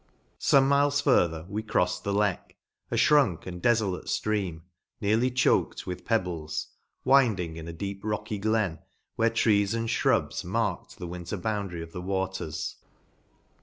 Some miles further, we crofied the Leek, a {hrunk and defolate ftream, nearly choked with pebbles, winding in a deep rocky glen, where trees and fhrubs marked the winter boundary of the waters.